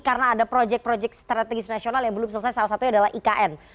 karena ada proyek proyek strategis nasional yang belum selesai salah satunya adalah ikn